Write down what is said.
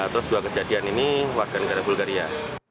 terus dua kejadian ini warga negara bulgaria